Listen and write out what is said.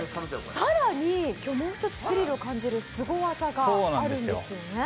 更に今日もう一つ、スリルを感じるすご技があるんですよね。